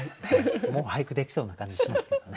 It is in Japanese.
もう俳句できそうな感じしますけどね。